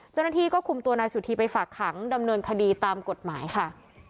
เจ้าหน้าที่ก็คุมตัวนายสุธีไปฝากขังดำเนินคดีตามกฎหมายค่ะ